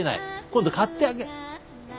今度買ってあげ。